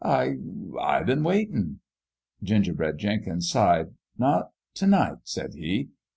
I I been waitin'." Gingerbread Jenkins sighed. " Not t' night," said he.